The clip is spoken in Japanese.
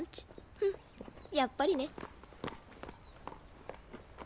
フンやっぱりね。